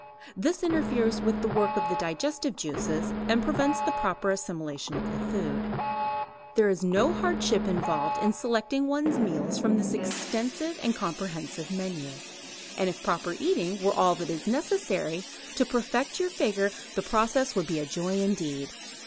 This interferes with the work of the digestive juices and prevents the proper assimilation of the food. There is no hardship involved in selecting one's meals from this extensive and comprehensive menu, and if proper eating were all that is necessary to perfect your figure the process would be a joy indeed.